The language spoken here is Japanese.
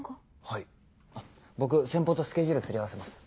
はい僕先方とスケジュール擦り合わせます。